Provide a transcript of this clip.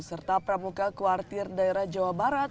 serta pramuka kuartir daerah jawa barat